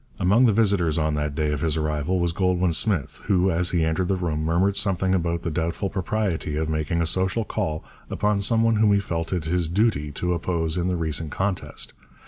Among the visitors on the day of his arrival was Goldwin Smith, who, as he entered the room, murmured something about the doubtful propriety of making a social call upon one whom he felt it his duty to oppose in the recent contest.